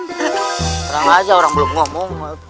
sekarang aja orang belum ngomong